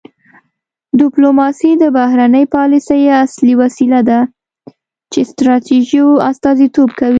ډیپلوماسي د بهرنۍ پالیسۍ اصلي وسیله ده چې ستراتیژیو استازیتوب کوي